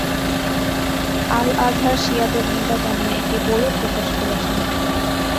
Al Azhar শিয়াদের নিন্দা জানিয়ে একটি বইও প্রকাশ করেছেন।